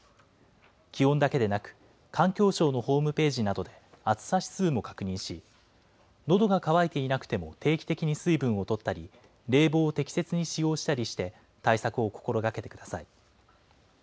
気温だけでなく、環境省のホームページなどで暑さ指数も確認し、のどが渇いていなくても定期的に水分をとったり、冷房を適切に使用したりして、対策を心がけてください。